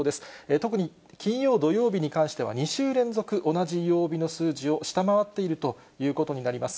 特に、金曜、土曜日に関しては２週連続、同じ曜日の数字を下回っているということになります。